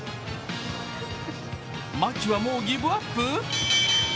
牧はもうギブアップ？